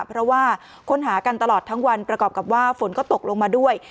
เพราะว่าค้นหากันตลอดทั้งวันประกอบกับว่าฝนก็ตกลงมาด้วย